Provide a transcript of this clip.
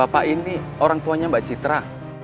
pak ini orang tuanya mbak citra